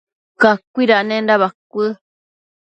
cacuidanenda bacuë